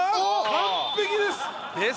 完璧です！